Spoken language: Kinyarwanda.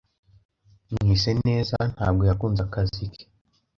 Mwiseneza ntabwo yakunze akazi ke.